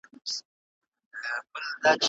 او د نړۍ په باغ کې د ګل په څېر وي.